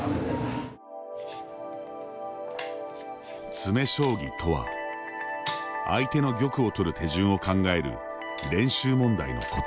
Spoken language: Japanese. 詰め将棋とは相手の玉をとる手順を考える練習問題のこと。